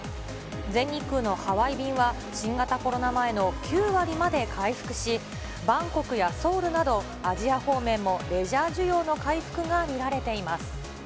全日空のハワイ便は新型コロナ前の９割まで回復し、バンコクやソウルなどアジア方面レジャー需要の回復も見られています。